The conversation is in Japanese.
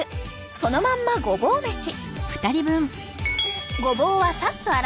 そのまんまごぼう飯。